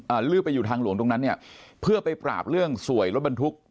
ลืบไปอยู่ทางหลวงตรงนั้นเนี่ยเพื่อไปปราบเรื่องสวยรถบรรทุก